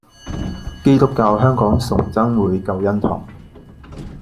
基督教香港崇真會救恩堂